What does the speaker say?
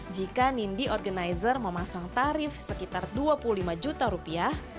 jika nindi organizer memasang tarif sekitar dua puluh lima juta rupiah